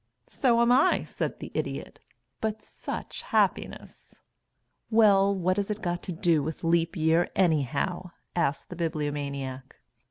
"So am I," said the Idiot. "But such happiness." "Well, what's it all got to do with Leap Year, anyhow?" asked the Bibliomaniac.